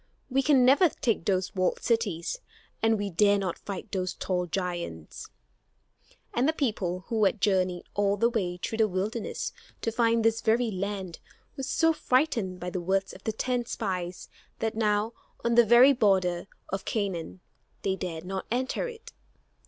We can never take those walled cities, and we dare not fight those tall giants." And the people, who had journeyed all the way through the wilderness to find this very land, were so frightened by the words of the ten spies that now, on the very border of Canaan, they dared not enter it.